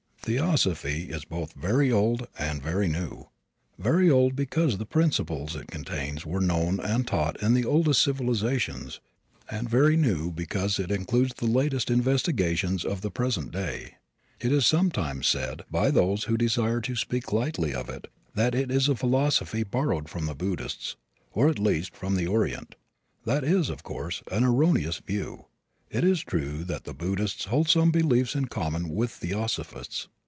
Theosophy is both very old and very new very old because the principles it contains were known and taught in the oldest civilizations, and very new because it includes the latest investigations of the present day. It is sometimes said by those who desire to speak lightly of it that it is a philosophy borrowed from the Buddhists, or at least from the Orient. That is, of course, an erroneous view. It is true that the Buddhists hold some beliefs in common with theosophists.